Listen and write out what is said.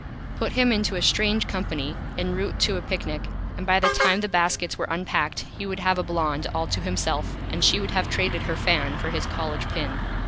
Put him into a Strange Company en route to a Picnic and by the time the Baskets were unpacked he would have a Blonde all to himself, and she would have traded her Fan for his College Pin.